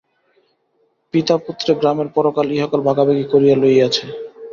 পিতাপুত্রে গ্রামের পরকাল ইহকাল ভাগাভাগি করিয়া লইয়াছে।